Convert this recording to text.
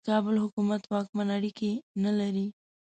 د کابل حکومت واکمن اړیکې نه لري.